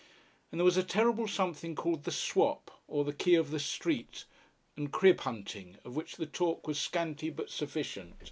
And there was a terrible something called the "swap," or "the key of the street," and "crib hunting," of which the talk was scanty but sufficient.